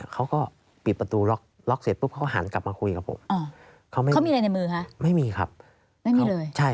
เขาก็ปิดประตูล็อกเสร็จ